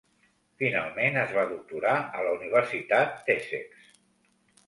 Finalment es va doctorar a la Universitat d'Essex.